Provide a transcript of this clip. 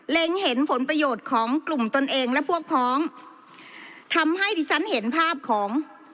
เห็นผลประโยชน์ของกลุ่มตนเองและพวกพ้องทำให้ดิฉันเห็นภาพของ